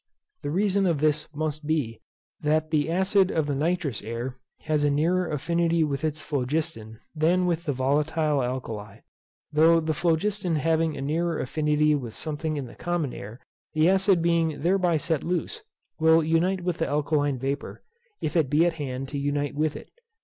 The reason of this must be, that the acid of the nitrous air has a nearer affinity with its phlogiston than with the volatile alkali; though the phlogiston having a nearer affinity with something in the common air, the acid being thereby set loose, will unite with the alkaline vapour, if it be at hand to unite with it.